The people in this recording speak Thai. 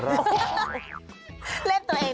เล่นตัวเองด้วยนะ